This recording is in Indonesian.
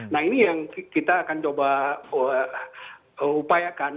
nah ini yang kita akan coba upayakan